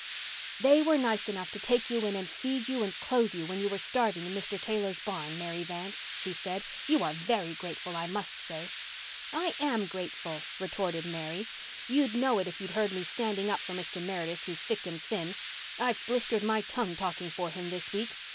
"They were nice enough to take you in and feed you and clothe you when you were starving in Mr. Taylor's barn, Mary Vance," she said. "You are very grateful, I must say." "I am grateful," retorted Mary. "You'd know it if you'd heard me standing up for Mr. Meredith through thick and thin. I've blistered my tongue talking for him this week.